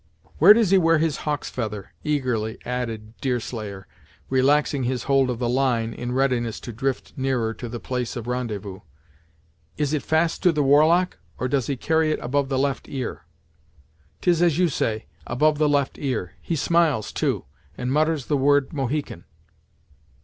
"Where does he wear his hawk's feather?" eagerly added Deerslayer, relaxing his hold of the line, in readiness to drift nearer to the place of rendezvous. "Is it fast to the war lock, or does he carry it above the left ear?" "'Tis as you say, above the left ear; he smiles, too, and mutters the word 'Mohican.'"